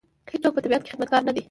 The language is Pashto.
هېڅوک په طبیعت کې خدمتګار نه دی.